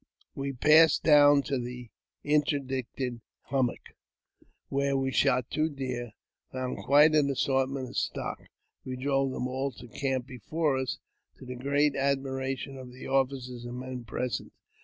We passed down to the interdicted hummock, where we shot two deer, and found quite an assortment of stock. We drove them all to the camp before us, to the great admiration of the officers and men present.